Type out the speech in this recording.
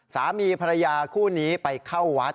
สามีภรรยาคู่นี้ไปเข้าวัด